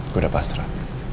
gue udah pasrah